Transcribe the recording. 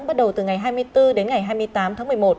bắt đầu từ ngày hai mươi bốn đến ngày hai mươi tám tháng một mươi một